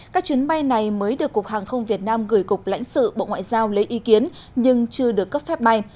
các chuyến bay này mới được cục hàng không việt nam gửi cục lãnh sự bộ ngoại giao lấy ý kiến nhưng chưa được cấp phép bay